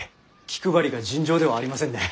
気配りが尋常ではありませんね。